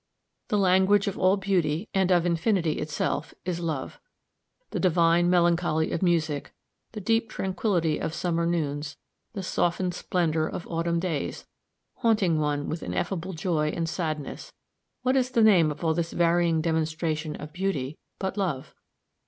The language of all beauty, and of infinity itself, is love. The divine melancholy of music, the deep tranquillity of summer noons, the softened splendor of autumn days, haunting one with ineffable joy and sadness what is the name of all this varying demonstration of beauty, but love?